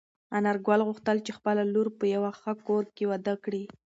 انارګل غوښتل چې خپله لور په یوه ښه کور کې واده کړي.